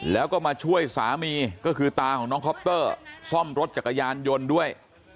แล้วก็มาช่วยสามีก็คือตาของน้องคอปเตอร์ซ่อมรถจักรยานยนต์ด้วย